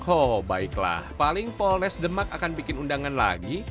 oh baiklah paling polres demak akan bikin undangan lagi